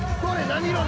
何色？